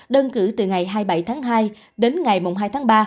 đơn cử từ ngày hai mươi bảy tháng hai đến ngày hai tháng ba